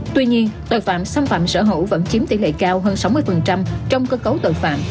tuy nhiên tội phạm xâm phạm sở hữu vẫn chiếm tỷ lệ cao hơn sáu mươi trong cơ cấu tội phạm